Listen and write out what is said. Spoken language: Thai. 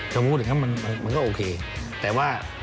ก็คือคุณอันนบสิงต์โตทองนะครับ